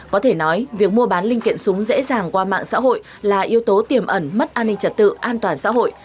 có thể nói việc mua bán linh kiện súng dễ dàng qua mạng xã hội là yếu tố tiềm ẩn mất an ninh trật tự an toàn xã hội